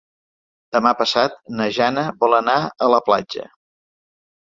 Demà passat na Jana vol anar a la platja.